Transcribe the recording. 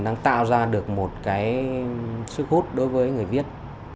đang tạo ra được một cái sức hút đối với người viết